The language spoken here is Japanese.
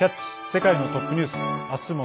世界のトップニュース」。